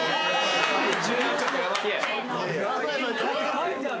書いてある。